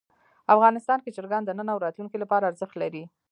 افغانستان کې چرګان د نن او راتلونکي لپاره ارزښت لري.